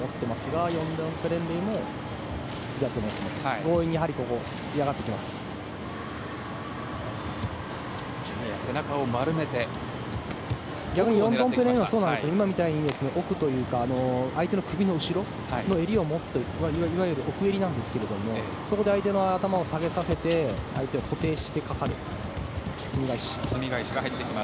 逆にヨンドンペレンレイも奥というか相手の首の後ろの襟を持っていわゆる奥襟なんですけどもそこで相手の頭を下げさせて相手を固定して、かかります。